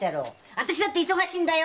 あたしだって忙しいんだよ！